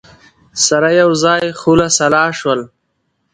سره یوځای خلع سلاح شول